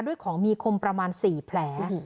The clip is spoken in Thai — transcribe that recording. ของมีคมประมาณ๔แผล